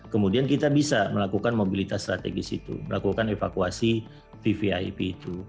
kemudian kita bisa melakukan mobilitas strategis itu melakukan evakuasi vvip itu